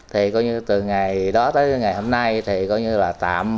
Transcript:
thì coi như từ ngày đó tới ngày hôm nay thì coi như là tạm